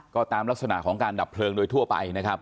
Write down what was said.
ก็ตามลักษณะของการดับเพลิงโดยทั่วไปนะครับ